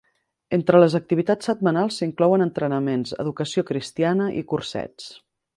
Entre les activitats setmanals s'inclouen entrenaments, educació cristiana i cursets.